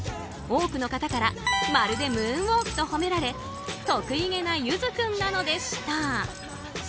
多くの方からまるでムーンウォークと褒められ得意げなゆず君なのでした。